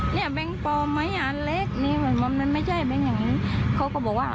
แบงค์ปลอมไหมอันเล็กนี่มันไม่ใช่แบงค์อย่างนี้เขาก็บอกว่า